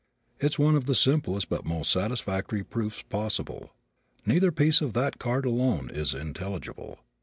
It's one of the simplest but most satisfactory proofs possible. Neither piece of that card alone is intelligible.